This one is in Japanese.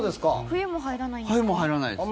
冬も入らないです。